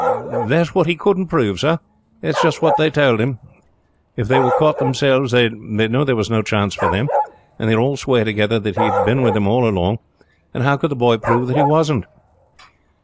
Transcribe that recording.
"That's what he couldn't prove, sir. That's just what they tould him: if they were caught themselves they knew there was no chance for them, and they would all swear together that he had been with them all along; and how could the boy prove that he wasn't?"